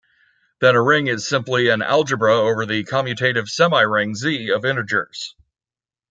Then a ring is simply an algebra over the commutative semiring Z of integers.